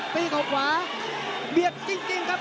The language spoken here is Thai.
ตีเขาขวาเบียดจริงครับ